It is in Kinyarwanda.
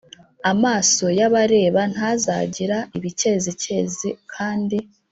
Amaso y abareba ntazagira ibikezikezi kandi